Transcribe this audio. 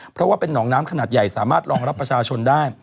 เพราะว่าเป็นหนองน้ำขนาดใหญ่สามารถรองรับประชาชนได้